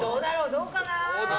どうかな。